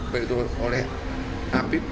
terutama oleh apbd